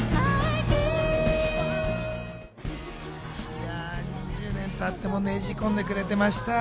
いや、２０年経ってもねじ込んでくれました。